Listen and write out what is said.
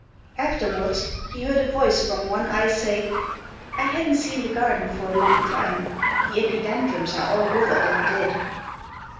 Afterwards he heard a voice from one eye say, "I hadn't seen the garden for a long time: the epidendrums are all withered and dead."